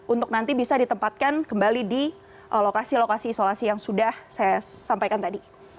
untuk nanti bisa ditempatkan kembali di lokasi lokasi isolasi yang sudah saya sampaikan tadi